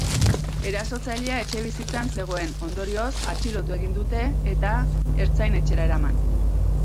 Erasotzailea etxebizitzan zegoen, ondorioz, atxilotu egin dute, eta ertzain-etxera eraman.